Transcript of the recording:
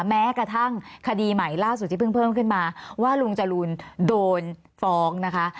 แม้กระทั่งคดีใหม่ล่าสุดที่เพิ่งเพิ่มขึ้นมาว่าลุงจรูนโดนฟ้องนะคะ